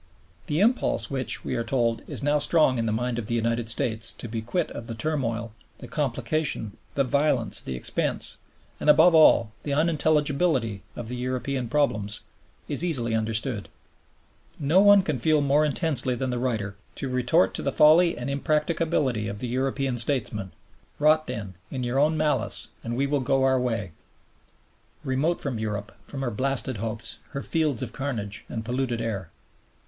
The impulse which, we are told, is now strong in the mind of the United States to be quit of the turmoil, the complication, the violence, the expense, and, above all, the unintelligibility of the European problems, is easily understood. No one can feel more intensely than the writer how natural it is to retort to the folly and impracticability of the European statesmen, Rot, then, in your own malice, and we will go our way Remote from Europe; from her blasted hopes; Her fields of carnage, and polluted air.